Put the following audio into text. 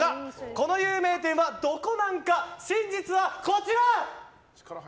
この有名店はドコナンか真実はこちら！